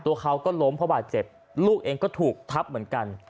ตัวเขาก็ล้มเพราะบาดเจ็บลูกเองก็ถูกทับเหมือนกัน